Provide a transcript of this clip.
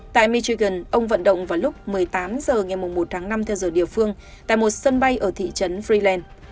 tại michigan ông vận động vào lúc một mươi tám h ngày một tháng năm theo giờ địa phương tại một sân bay ở thị trấn freeland